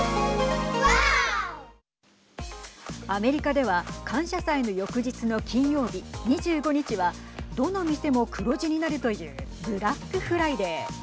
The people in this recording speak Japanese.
アメリカでは感謝祭の翌日の金曜日２５日はどの店も黒字になるというブラックフライデー。